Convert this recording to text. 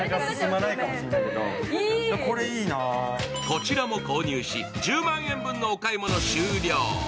こちらも購入し、１０万円分のお買い物終了。